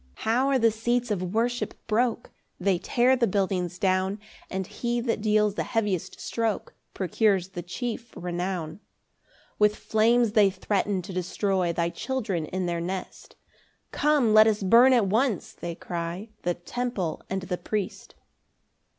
5 How are the seats of worship broke! They tear the buildings down, And he that deals the heaviest stroke Procures the chief renown. 6 With flames they threaten to destroy Thy children in their nest; "Come let us burn at once (they cry) The temple and the priest."